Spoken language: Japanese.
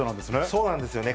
そうなんですよね。